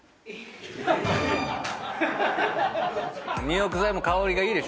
入浴剤も香りがいいでしょ？